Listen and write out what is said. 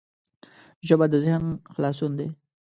ژبه د ذهن خلاصون دی